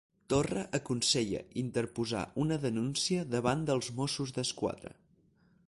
Torra aconsella interposar una denúncia davant dels Mossos d'Esquadra.